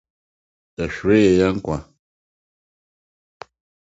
Yɛhweree yɛn nkwa.